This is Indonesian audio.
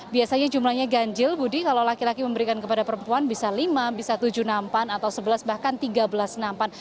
biasanya jumlahnya ganjil budi kalau laki laki memberikan kepada perempuan bisa lima bisa tujuh nampan atau sebelas bahkan tiga belas nampan